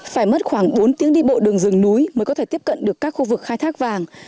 phải mất khoảng bốn tiếng đi bộ đường rừng núi mới có thể tiếp cận được các khu vực khai thác vàng